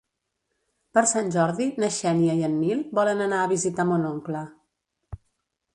Per Sant Jordi na Xènia i en Nil volen anar a visitar mon oncle.